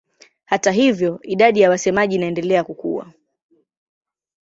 Hata hivyo idadi ya wasemaji inaendelea kukua.